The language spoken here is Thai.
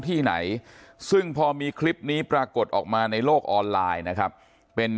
ที่ไหนซึ่งพอมีคลิปนี้ปรากฏออกมาในโลกออนไลน์นะครับเป็น